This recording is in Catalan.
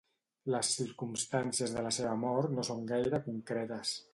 Les circumstàncies de la seva mort no són gaire concretes.